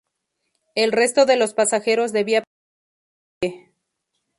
El resto de los pasajeros debía permanecer de pie.